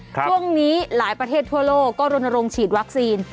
ช่วงนี้หลายประเทศทั่วโลกก็รณรงค์ฉีดวัคซีน